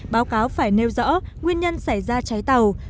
báo cáo phải nêu rõ nguyên nhân xảy ra cháy tàu